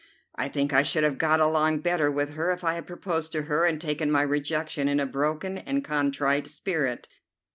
I think I should have got along better with her if I had proposed to her and taken my rejection in a broken and contrite spirit.